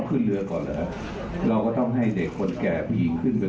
เพื่อให้ประชาชิบปฏิเสียได้